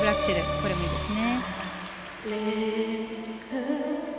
これもいいですね。